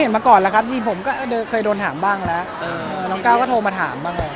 มาก่อนแล้วครับทีผมก็เคยโดนถามบ้างแล้วน้องก้าวก็โทรมาถามบ้างแล้ว